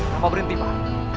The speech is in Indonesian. papa berhenti pak